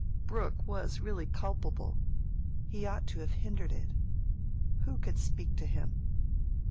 Brooke was really culpable; he ought to have hindered it. Who could speak to him?